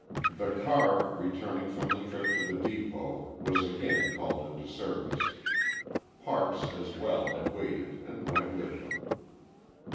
The car, returning from the trip to the depot, was again called into service. Parks, as well, had waited, and went with them.